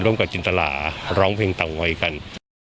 ร่วมกับจินตราร้องเพลงต่างวัยกัน